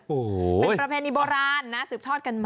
โอ้โหเป็นประเพณีโบราณนะสืบทอดกันมา